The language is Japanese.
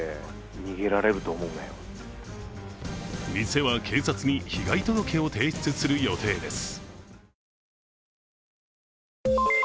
店は警察に被害届を提出する予定です。